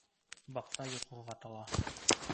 Баҡса йоҡоға тала.